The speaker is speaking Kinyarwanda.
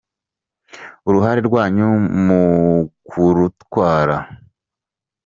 Uruhare rwanyu mu kurutwara